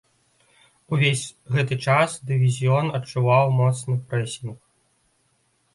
Увесь гэты час дывізіён адчуваў моцны прэсінг.